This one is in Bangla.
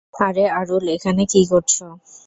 আরে আরুল, এখানে কি করছো?